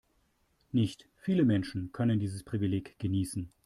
Nicht viele Menschen können dieses Privileg genießen.